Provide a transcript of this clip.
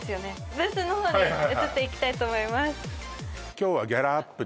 ブースの方に移っていきたいと思います